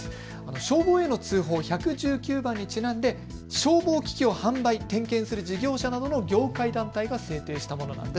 消防への通報１１９番にちなんで消防機器を販売点検する事業者などの業界団体が制定したものなんです。